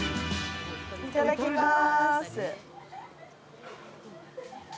いただきます。